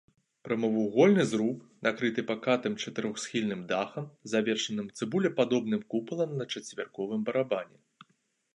Прамавугольны зруб накрыты пакатым чатырохсхільным дахам, завершаным цыбулепадобным купалам на чацверыковым барабане.